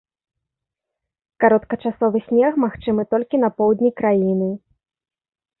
Кароткачасовы снег магчымы толькі на поўдні краіны.